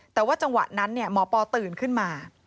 แต่ว่าจังหวะนั้นหมอปอตื่นขึ้นมา